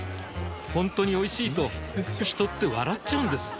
ほんとにおいしいと人って笑っちゃうんです